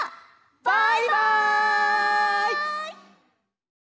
バイバイ！